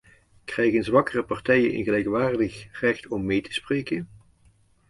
Krijgen zwakkere partijen een gelijkwaardig recht om mee te spreken?